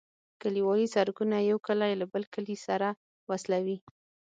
کليوالي سرکونه یو کلی له بل کلي سره وصلوي